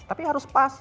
tapi harus perhatikan